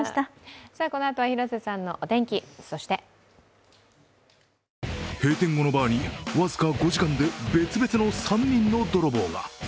このあとは広瀬さんのお天気そして閉店後のバーに僅か５時間で別々の３人の泥棒が。